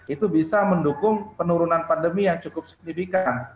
itu bisa mendukung penurunan pandemi yang cukup signifikan